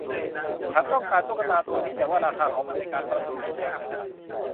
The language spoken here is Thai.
ฉันต้องการตุ๊กตาตัวนี้ แต่ว่าราคาของมันในการประมูลนั้นแพงเกินไป